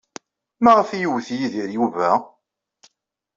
Maɣef ay iwet Yidir Yuba?